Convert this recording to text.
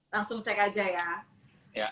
langsung cek aja ya